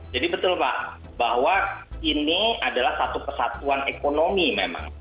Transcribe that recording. jadi betul pak bahwa ini adalah satu kesatuan ekonomi memang